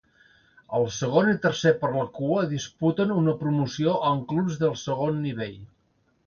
El segon i tercer per la cua disputen una promoció amb clubs del segon nivell.